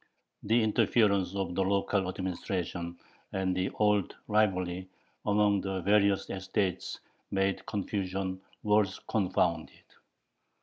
The interference of the local administration and the old rivalry among the various estates made confusion worse confounded.